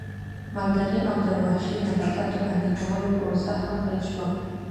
مالدارۍ او د وحشي نباتاتو اهلي کولو پروسه هم پیل شوه